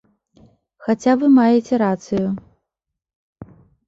Хаця вы маеце рацыю.